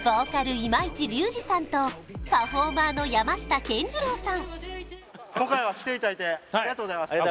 今市隆二さんとパフォーマーの山下健二郎さん